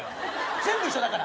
全部一緒だから！